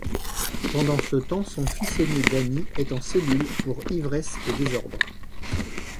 Pendant ce temps, son fils aîné Danny est en cellule pour ivresse et désordre.